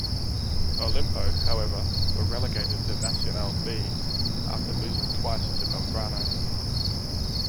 Olimpo, however, were relegated to Nacional B after losing twice to Belgrano.